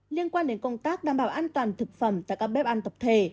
liên quan đến công tác đảm bảo an toàn thực phẩm tại các bếp ăn tập thể